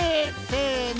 せの！